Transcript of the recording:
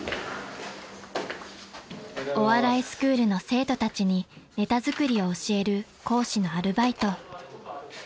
［お笑いスクールの生徒たちにネタ作りを教える講師のアルバイト］